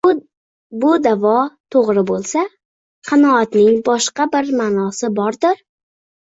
bu da'vo to'g'ri bo'lsa, qanoatning boshqa bir ma'nosi bordir?!